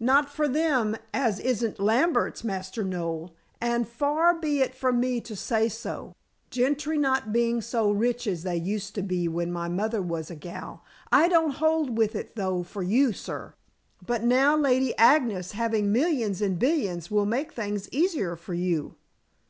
"Not for them as isn't Lamberts, Master Noel, and far be it from me to say so, gentry not being so rich as they used to be when my mother was a gal. I don't hold with it though for you, sir. But now Lady Agnes having millions and billions will make things easier for you."